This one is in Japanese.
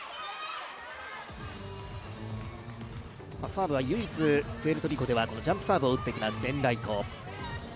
サーブは唯一、プエルトリコではジャンプサーブを打ってきます、エンライト。